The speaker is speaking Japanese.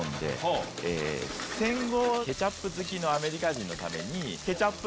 戦後ケチャップ好きのアメリカ人のために。